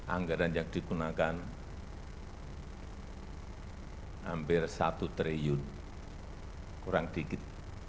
anggaran yang digunakan hampir satu triliun kurang dikit